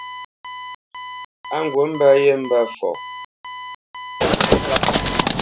Á ŋgǔt mbə̄ yé mbə̄ fɔ.